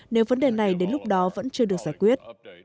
nếu vấn đề này đến lúc đó vẫn chưa được giải quyết